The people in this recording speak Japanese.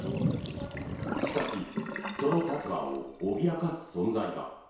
しかしその立場を脅かす存在が。